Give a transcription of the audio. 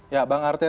ya bang arteria